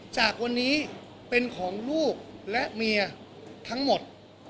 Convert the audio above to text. จากวันนี้เป็นของลูกและเมียทั้งหมด